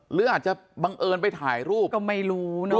หรืออาจจะบังเอิญไปถ่ายรูปก็ไม่รู้เนอะ